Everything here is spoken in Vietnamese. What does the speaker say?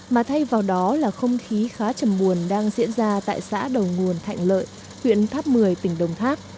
mà thay vào đó là không khí khá trầm buồn đang diễn ra tại xã đồng nguồn thạnh lợi huyện tháp mười tỉnh đồng tháp